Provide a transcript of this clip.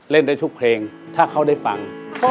เล่นได้ทุกเพลงถ้าเขาได้ฟัง